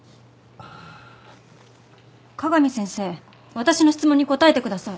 私の質問に答えてください。